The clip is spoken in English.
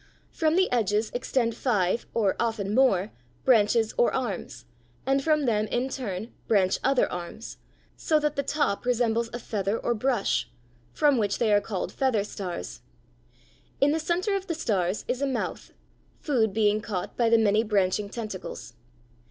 From the edges extend five, or often more, branches or arms, and from them in turn branch other arms, so that the top resembles a feather or brush, from which they are called feather stars. In the center of the stars is a mouth, food being caught by the many branching tentacles.